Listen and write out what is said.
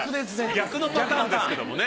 逆のパターンですけどもね。